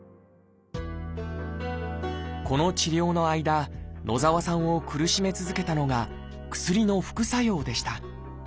この治療の間野澤さんを苦しめ続けたのが薬の副作用でした。